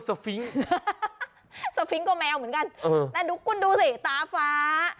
ฟิงค์สฟิงค์ก็แมวเหมือนกันแต่ดูคุณดูสิตาฟ้า